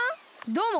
どうも！